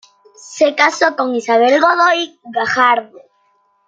Se casó con Isabel Godoy Gajardo.